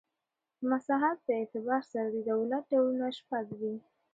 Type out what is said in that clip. د مساحت په اعتبار سره د دولت ډولونه شپږ دي.